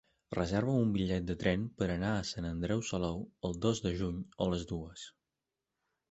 Reserva'm un bitllet de tren per anar a Sant Andreu Salou el dos de juny a les dues.